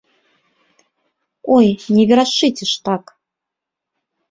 Ой, не верашчыце ж так!